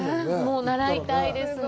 もう習いたいですね。